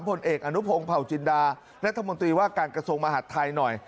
ผลเอกอนุพงศ์เผาจินดารัฐมนตรีว่าการกระทรวงมหาดไทยหน่อย